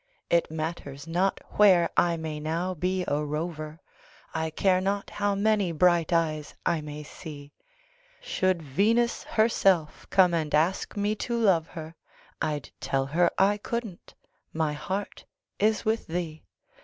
It matters not where I may now be a rover, I care not how many bright eyes I may see; Should Venus herself come and ask me to love her, I'd tell her I couldn't my heart is with thee.